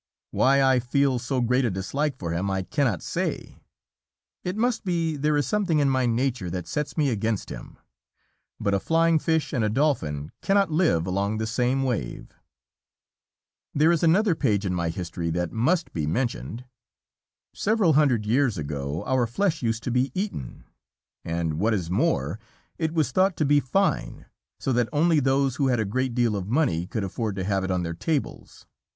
Why I feel so great a dislike for him I cannot say, it must be there is something in my nature that sets me against him, but a flying fish and a Dolphin cannot live along the same wave. There is another page in my history that must be mentioned. Several hundred years ago our flesh used to be eaten, and what is more, it was thought to be fine, so that only those who had a great deal of money could afford to have it on their tables.